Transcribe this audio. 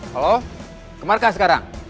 halo ke markas sekarang